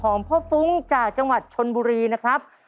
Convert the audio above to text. ของพ่อฟุ้งจากจังหวัดชนบุรีนะครับ